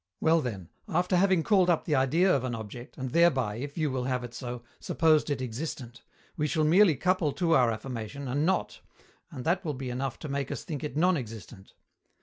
Well then, after having called up the idea of an object, and thereby, if you will have it so, supposed it existent, we shall merely couple to our affirmation a 'not,' and that will be enough to make us think it non existent.